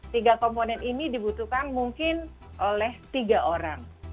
tiga komponen ini dibutuhkan mungkin oleh tiga orang